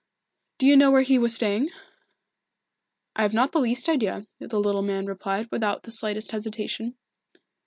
"Do you know where he was staying?" "I have not the least idea," the little man replied, without the slightest hesitation.